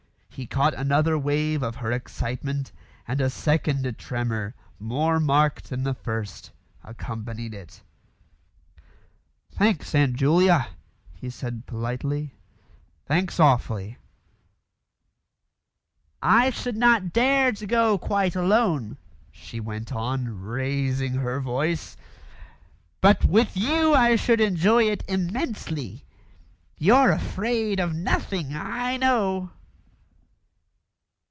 He caught another wave of her excitement, and a second tremor, more marked than the first, accompanied it. "Thanks, Aunt Julia," he said politely; "thanks awfully." "I should not dare to go quite alone," she went on, raising her voice; "but with you I should enjoy it immensely. You're afraid of nothing, I know."